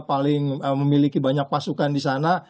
paling memiliki banyak pasukan di sana